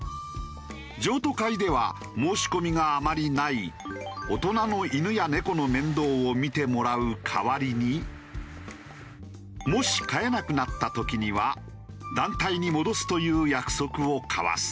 譲渡会では申し込みがあまりない大人の犬や猫の面倒を見てもらう代わりにもし飼えなくなった時には団体に戻すという約束を交わす。